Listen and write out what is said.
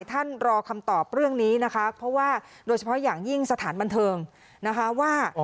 ท่านรอคำตอบเรื่องนี้นะคะเพราะว่าโดยเฉพาะอย่างยิ่งสถานบันเทิงนะคะว่า